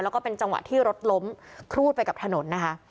แล้วก็เป็นจังหวะที่รถล้มครูดไปกับถนนนะคะ